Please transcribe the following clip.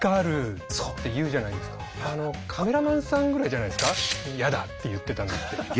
カメラマンさんぐらいじゃないすかやだって言ってたのって。